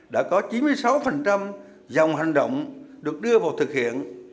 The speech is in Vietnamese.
đã có chín mươi sáu dòng hành động được đưa vào thực hiện